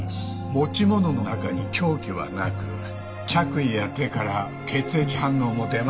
持ち物の中に凶器はなく着衣や手から血液反応も出ませんでした。